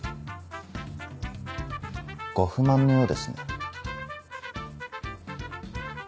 ご不満のようですね。